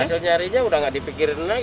hasil nyarinya udah gak dipikirin lagi